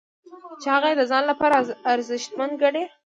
چې هغه یې د ځان لپاره ارزښتمن ګڼي.